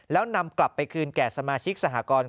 แล้วนำกลับไปคืนแก่สมาชิกสหกร